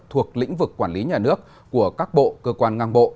thuộc lĩnh vực quản lý nhà nước của các bộ cơ quan ngang bộ